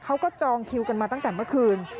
จองคิวกันมาตั้งแต่เมื่อคืน